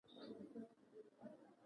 لاس يې ور ووړ.